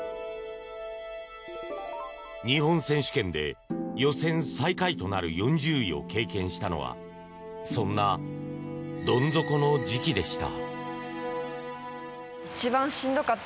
日本選手権で予選最下位となる４０位を経験したのはそんなどん底の時期でした。